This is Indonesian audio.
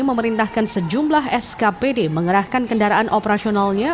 memerintahkan sejumlah skpd mengerahkan kendaraan operasionalnya